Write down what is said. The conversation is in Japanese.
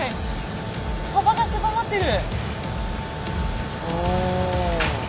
幅が狭まってる。